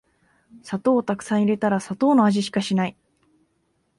砂糖をたくさん入れたら砂糖の味しかしない